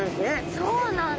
そうなんだ！